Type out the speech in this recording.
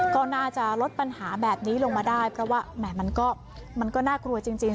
ก็น่าจะลดปัญหาแบบนี้ลงมาได้เพราะว่าแหม่มันก็น่ากลัวจริง